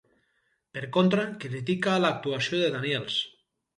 Per contra critica l'actuació de Daniels.